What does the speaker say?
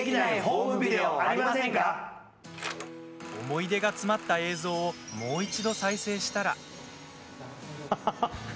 思い出が詰まった映像をもう一度、再生したら。